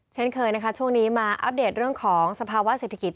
เช่นเคยนะคะช่วงนี้มาอัปเดตเรื่องของสภาวะเศรษฐกิจ